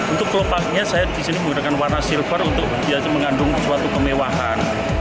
untuk kelopaknya saya di sini menggunakan warna silver untuk biasa mengandung suatu kemewahan